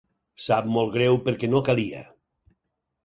Sap molt greu perquè no calia.